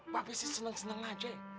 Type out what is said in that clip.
ba be sih seneng seneng aja